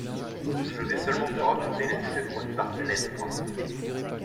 Je vais seulement te raconter les effets produits par ta lettre.